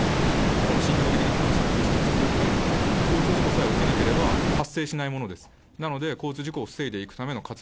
この心情的な悲しみ、苦しみ、苦痛というのも、交通事故さえ起きなければ発生しないものです。